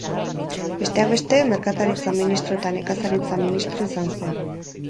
Besteak beste, Merkataritza ministro eta Nekazaritza ministro izan zen.